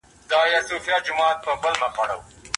کبابي په سره بخار کې د غوښې سیخان اړول.